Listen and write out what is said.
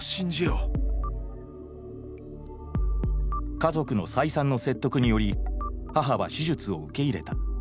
家族の再三の説得により母は手術を受け入れた。